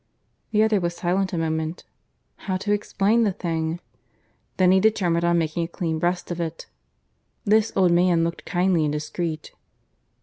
The other was silent a moment. How, to explain the thing! ... Then he determined on making a clean breast of it. This old man looked kindly and discreet.